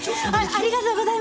ありがとうございます！